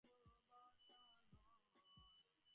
যা পাগলামিতে ভরা।